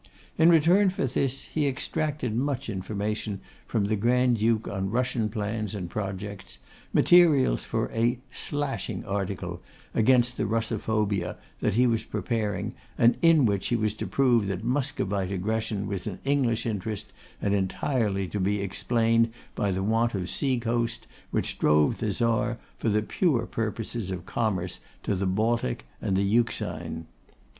In return for this, he extracted much information from the Grand duke on Russian plans and projects, materials for a 'slashing' article against the Russophobia that he was preparing, and in which he was to prove that Muscovite aggression was an English interest, and entirely to be explained by the want of sea coast, which drove the Czar, for the pure purposes of commerce, to the Baltic and the Euxine.